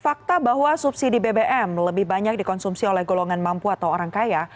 fakta bahwa subsidi bbm lebih banyak dikonsumsi oleh golongan mampu atau orang kaya